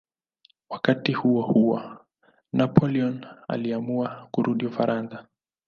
Wakati huohuo Napoleon aliamua kurudi Ufaransa.